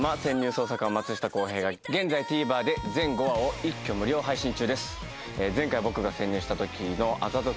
捜査官松下洸平』が現在ＴＶｅｒで全５話を一挙無料配信中です。